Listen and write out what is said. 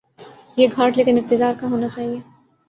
یہ گھاٹ لیکن اقتدارکا ہو نا چاہیے۔